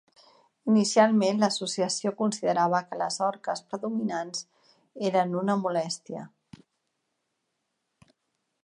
Inicialment, l'associació considerava que les orques predominants eren una molèstia.